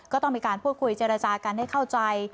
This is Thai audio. ก็ต้องมีการพูดคุยเจรจากันให้เข้าใจ